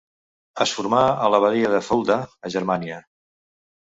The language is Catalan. Es formà a l'abadia de Fulda, a Germània.